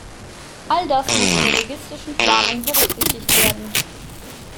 All das muss in der logistischen Planung berücksichtigt werden.